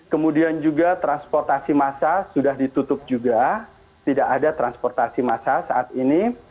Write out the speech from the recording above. kemudian juga transportasi massa sudah ditutup juga tidak ada transportasi massa saat ini